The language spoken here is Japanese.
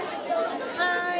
はい。